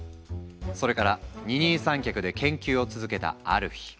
それから二人三脚で研究を続けたある日。